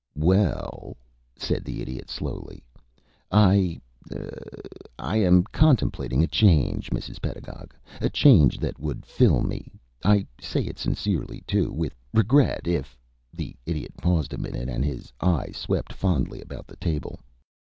"Well," said the Idiot, slowly, "I er I am contemplating a change, Mrs. Pedagog a change that would fill me I say it sincerely, too with regret if " The Idiot paused a minute, and his eye swept fondly about the table.